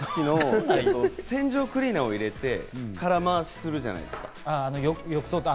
洗浄クリーナーを入れて、空回しするじゃないですか。